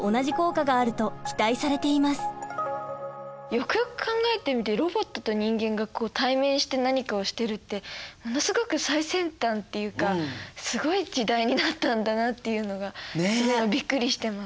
よくよく考えてみてロボットと人間が対面して何かをしてるってものすごく最先端っていうかすごい時代になったんだなっていうのがすごいびっくりしてます。